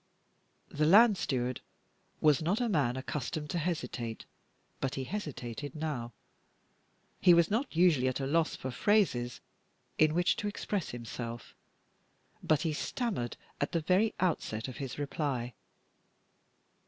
The land steward was not a man accustomed to hesitate, but he hesitated now. He was not usually at a loss for phrases in which to express himself, but he stammered at the very outset of his reply.